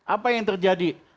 apa yang terjadi